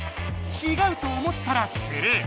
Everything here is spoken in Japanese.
ちがうと思ったらスルー。